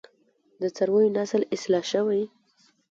د څارویو نسل اصلاح شوی؟